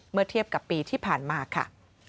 เมื่อเทียบกับปีที่ผ่านมาค่ะ